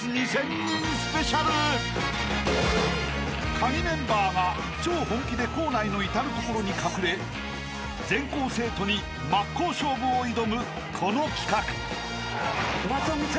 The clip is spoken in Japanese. ［カギメンバーが超本気で校内の至る所に隠れ全校生徒に真っ向勝負を挑むこの企画］